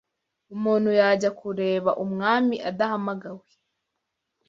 umuntu yajya kureba umwami adahamagawe.